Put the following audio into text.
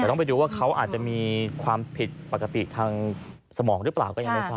แต่ต้องไปดูว่าเขาอาจจะมีความผิดปกติทางสมองหรือเปล่าก็ยังไม่ทราบ